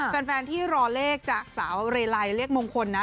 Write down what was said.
แฟนที่รอเลขจากสาวเรลัยเลขมงคลนะ